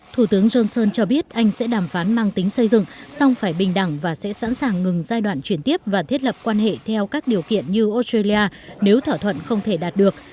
thủ tướng johnson cho biết anh sẽ đàm phán mang tính xây dựng xong phải bình đẳng và sẽ sẵn sàng ngừng giai đoạn chuyển tiếp và thiết lập quan hệ theo các điều kiện như australia nếu thỏa thuận không thể đạt được